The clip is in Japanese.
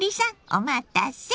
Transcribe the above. お待たせ！